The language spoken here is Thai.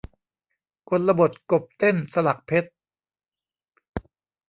กลบทกบเต้นสลักเพชร